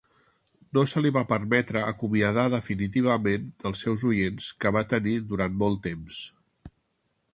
No se li va permetre acomiadar definitivament dels seus oients que va tenir durant molt temps.